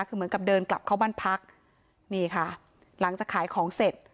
คือเหมือนกับเดินกลับเข้าบ้านพักนี่ค่ะหลังจากขายของเสร็จ